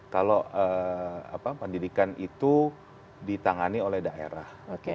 kalau pendidikan itu ditangani oleh daerah